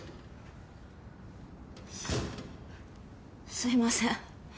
すすいません。